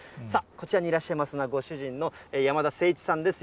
こちらにいらっしゃいますのは、ご主人の山田誠一さんです。